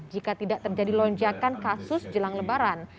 jika tidak terjadi lonjakan kasus jelang lebaran